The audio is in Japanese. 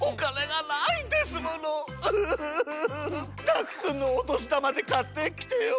ダクくんのおとしだまでかってきてよ。